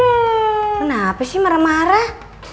kenapa sih marah marah